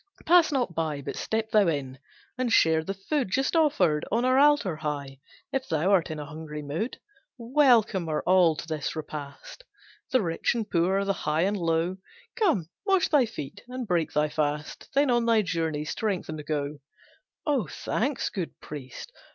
Pass not by, But step thou in, and share the food Just offered on our altar high, If thou art in a hungry mood. Welcome are all to this repast! The rich and poor, the high and low! Come, wash thy feet, and break thy fast, Then on thy journey strengthened go." "Oh thanks, good priest!